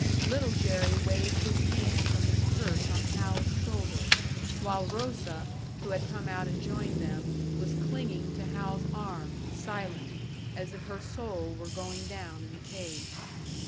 Little Jerry waved his hand from his perch on Hal's shoulder; while Rosa, who had come out and joined them, was clinging to Hal's arm, silent, as if her soul were going down in the cage.